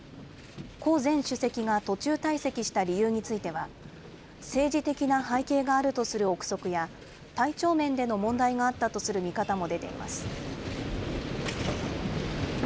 胡前主席が途中退席した理由については、政治的な背景があるとする臆測や、体調面での問題があったとする見方も出ています。